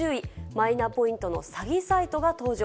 マイナポイントの詐欺サイトが登場。